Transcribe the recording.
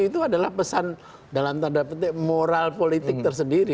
itu adalah pesan dalam tanda petik moral politik tersendiri